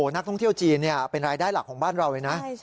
นักท่องเที่ยวจีนเป็นรายได้หลักของบ้านเราเลยนะ